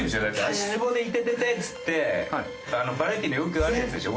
足ツボで「イテテテ！」っつってバラエティーでよくあるやつでしょ？